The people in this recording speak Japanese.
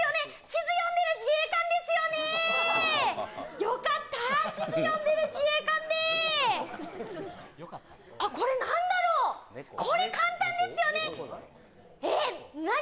地図読んでる自衛官ですよねよかった地図読んでる自衛官であっこれなんだろうこれ簡単ですよねえっ何？